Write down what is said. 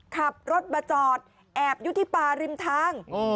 ขับรถมาจอดแอบอยู่ที่ป่าริมทาง